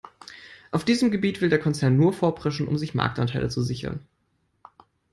Auf diesem Gebiet will der Konzern nun vorpreschen, um sich Marktanteile zu sichern.